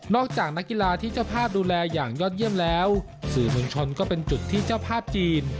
จากนักกีฬาที่เจ้าภาพดูแลอย่างยอดเยี่ยมแล้วสื่อมวลชนก็เป็นจุดที่เจ้าภาพจีน